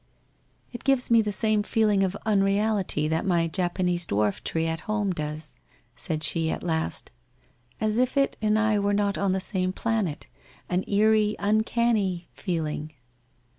'It gives me the same feeling of unreality that my Japanese dwarf tree at home does/ said she at last, ' as if it and I were not on the same planet, an eerie, uncanny, feeling.'